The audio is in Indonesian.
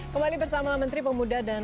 kembali bersama menteri pemuda dan